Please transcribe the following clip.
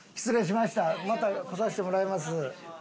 また来させてもらいます。